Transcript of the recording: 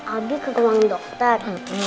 abi ke ruang dokter